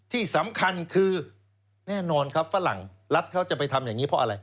ที่สำคัญคือแน่นอนครับฝรั่งรัฐเขาจะไปทำอย่างนี้เพราะอะไร